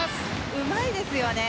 うまいですよね。